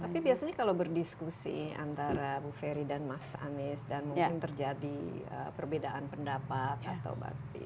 tapi biasanya kalau berdiskusi antara bu ferry dan mas anies dan mungkin terjadi perbedaan pendapat atau bakti